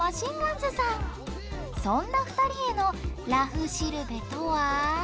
そんな２人への「らふしるべ」とは？